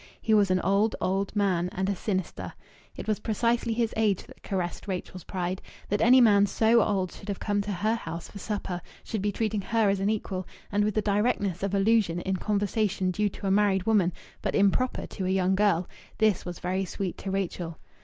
He was an old, old man, and a sinister. It was precisely his age that caressed Rachel's pride. That any man so old should have come to her house for supper, should be treating her as an equal and with the directness of allusion in conversation due to a married woman but improper to a young girl this was very sweet to Rachel.